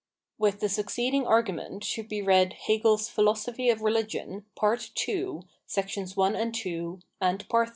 With the succeeding argument should be read HegeFs Phiimophfj of Religion^ Part II, Sections I and II, and Part III.